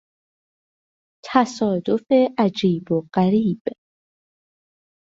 تصادف عجیب و غریب